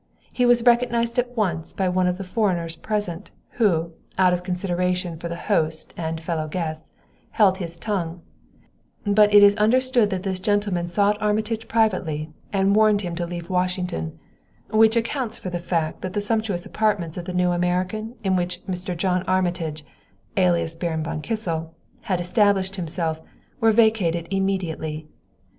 He was recognized at once by one of the foreigners present, who, out of consideration for the host and fellow guests, held his tongue; but it is understood that this gentleman sought Armitage privately and warned him to leave Washington, which accounts for the fact that the sumptuous apartments at the New American in which Mr. John Armitage, alias Baron von Kissel, had established himself were vacated immediately.